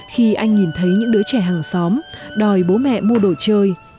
khi anh nhìn thấy những đứa trẻ hàng xóm đòi bố mẹ mua đồ chơi